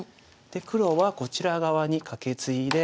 黒はこちら側にカケツイで。